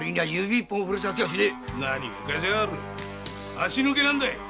足抜けなんだ！